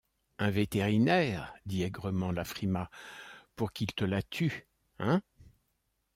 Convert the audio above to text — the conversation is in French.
Un vétérinaire! dit aigrement la Frimat, pour qu’il te la tue, hein?